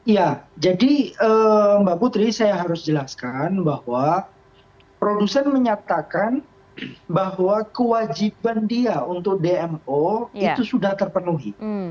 ya jadi mbak putri saya harus jelaskan bahwa produsen menyatakan bahwa kewajiban dia untuk dmo itu sudah terpenuhi